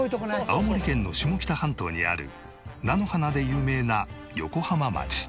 青森県の下北半島にある菜の花で有名な横浜町。